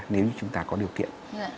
nếu như chúng ta có điều kiện